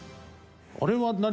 あれは何？